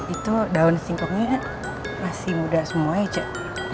itu daun singkoknya masih muda semuanya cek